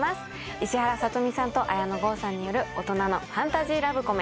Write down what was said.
石原さとみさんと綾野剛さんによる大人のファンタジーラブコメ。